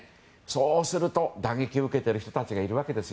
そうすると、打撃を受けている人がいるわけです。